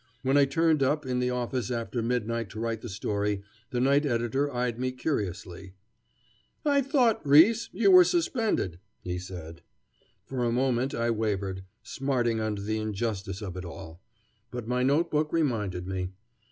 When I turned up in the office after midnight to write the story, the night editor eyed me curiously. "I thought, Riis, you were suspended," he said. For a moment I wavered, smarting under the injustice of it all. But my note book reminded me.